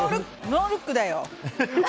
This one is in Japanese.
ノールックだよ！